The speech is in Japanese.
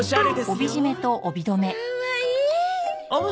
かわいい。